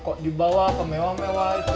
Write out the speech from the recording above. kok dibawa ke mewah mewah itu